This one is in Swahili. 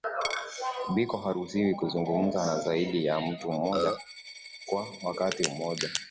Biko haruhusiwi kuzungumza na zaidi ya mtu mmoja kwa wakati mmoja